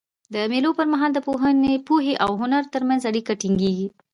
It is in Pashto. د مېلو پر مهال د پوهي او هنر ترمنځ اړیکه ټینګيږي.